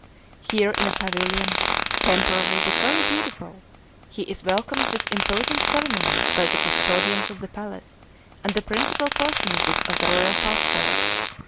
Here in a pavilion, temporary but very beautiful, he is welcomed with imposing ceremonies by the custodians of the palace and the principal personages of the royal household.